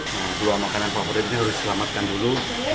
nah dua makanan favoritnya harus diselamatkan dulu